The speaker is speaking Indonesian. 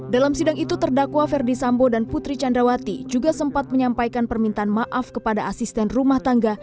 dalam sidang itu terdakwa ferdi sambo dan putri candrawati juga sempat menyampaikan permintaan maaf kepada asisten rumah tangga